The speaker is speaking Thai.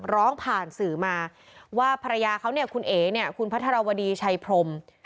ร้องผ่านสื่อมาว่าภรรยาเขาเนี่ยคุณเอ๋เนี่ยคุณพัทรวดีชัยพรม